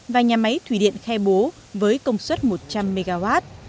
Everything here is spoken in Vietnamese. và nhà máy thủy điện khe bố với công suất một trăm linh mw